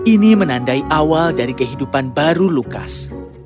ini menandai awal dari kehidupan baru lukas